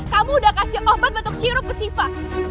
kamu udah kasih obat batuk sirup ke siva